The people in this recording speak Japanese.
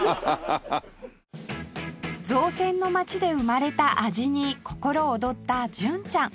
造船の街で生まれた味に心躍った純ちゃん